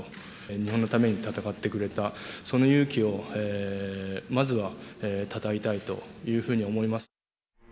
日本のために戦ってくれた、その勇気をまずはたたえたいというふうに思います。